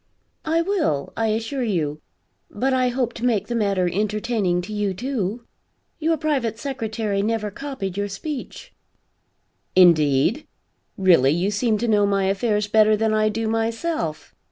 "I will, I assure you; but I hope to make the matter entertaining to you, too. Your private secretary never copied your speech." "Indeed? Really you seem to know my affairs better than I do myself."